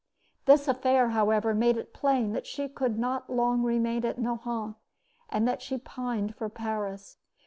This affair, however, made it plain that she could not long remain at Nohant, and that she pined for Paris.